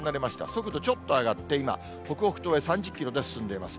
速度ちょっと上がって今、北北東へ３０キロで進んでいます。